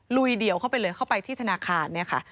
ลุยเดี่ยวเข้าไปเลยเข้าไปที่ธนาคารเนี่ยค่ะ